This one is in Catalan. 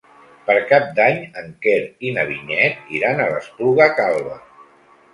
Per Cap d'Any en Quer i na Vinyet iran a l'Espluga Calba.